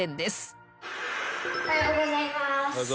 おはようございます。